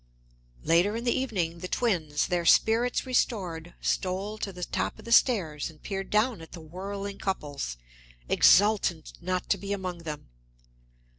Later in the evening, the twins, their spirits restored, stole to the top of the stairs and peered down at the whirling couples, exultant not to be among them.